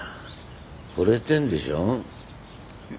惚れてるんでしょ？